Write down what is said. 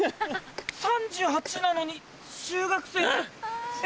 ３８歳なのに中学生え！